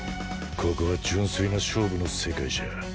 ここは純粋な勝負の世界じゃ。